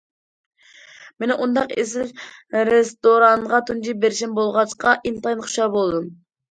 مېنىڭ ئۇنداق ئېسىل رېستورانغا تۇنجى بېرىشىم بولغاچقا، ئىنتايىن خۇشال بولدۇم.